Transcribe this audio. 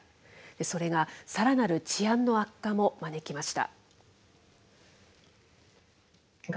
それがさらなる治安の悪化も招きました。